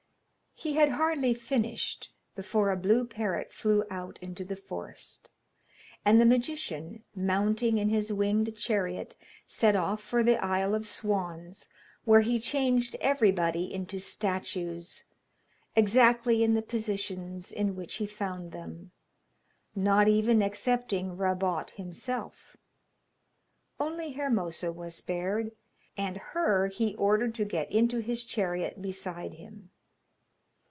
He had hardly finished before a blue parrot flew out into the forest; and the magician, mounting in his winged chariot, set off for the Isle of Swans, where he changed everybody into statues, exactly in the positions in which he found them, not even excepting Rabot himself. Only Hermosa was spared, and her he ordered to get into his chariot beside him.